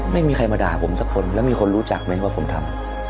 ไม่มีใครมาด่าผมสักคนแล้วมีคนรู้จักไหมว่าผมทำ